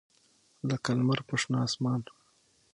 لکه لمر په شنه اسمان